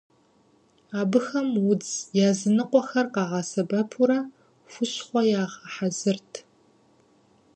Абыхэм удз языныкъуэхэр къагъэсэбэпурэ хущхъуэ ягъэхьэзырт.